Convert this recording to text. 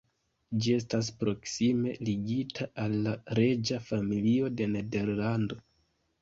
Ĝi estas proksime ligita al la reĝa familio de Nederlando.